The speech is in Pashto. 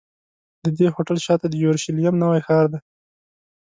د دې هوټل شاته د یورشلېم نوی ښار دی.